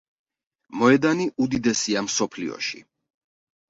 მოედანი უდიდესია მსოფლიოში.